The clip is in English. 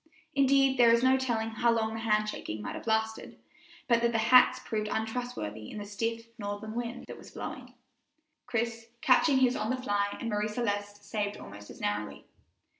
Indeed, there is no telling how long the hand shaking might have lasted but that the hats proved untrustworthy in the stiff northern wind that was blowing, Chris catching his on the fly and Marie Celeste's saved almost as narrowly.